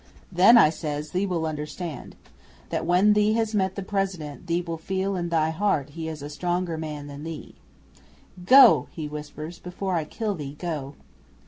'"Then," I says, "thee will understand. The Red Skin said that when thee has met the President thee will feel in thy heart he is a stronger man than thee." '"Go!" he whispers. "Before I kill thee, go."